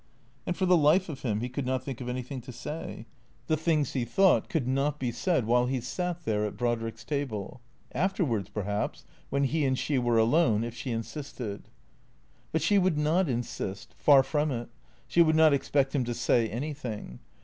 And for the life of him he could not think of anything to say. The things he thought could not be said while he sat there, at Brodrick's table. Afterwards, perhaps, when he and she were alone, if she insisted. But she would not insist. Far from it. She would not ex pect him to say anything.